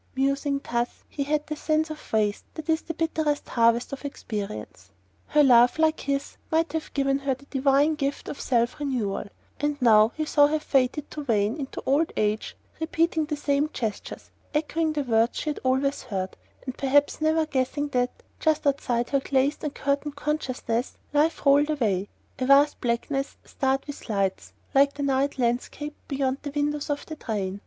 Musing thus, he had the sense of waste that is the bitterest harvest of experience. A love like his might have given her the divine gift of self renewal; and now he saw her fated to wane into old age repeating the same gestures, echoing the words she had always heard, and perhaps never guessing that, just outside her glazed and curtained consciousness, life rolled away, a vast blackness starred with lights, like the night landscape beyond the windows of the train.